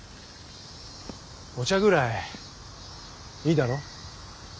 お茶ぐらいいいだろ？